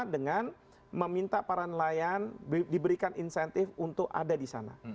dengan meminta para nelayan diberikan insentif untuk ada di sana